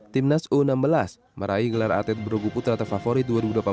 timnas u enam belas meraih gelar atlet berogu putra terfavorit dua ribu delapan belas